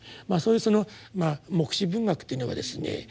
そういうその黙示文学っていうのはですね